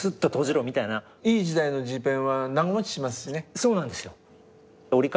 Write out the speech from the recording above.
そうなんですよ。